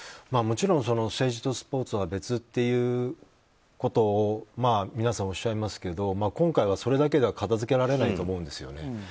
もちろん政治とスポーツは別っていうことを皆さんおっしゃいますけど今回は、それだけでは片づけられないと思うんですよね。